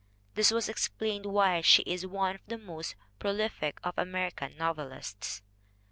This may explain why she is one of the most prolific of Ameri can novelists.